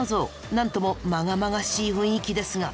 なんともまがまがしい雰囲気ですが。